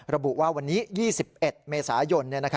ระบุว่าวันนี้๒๑เมษายน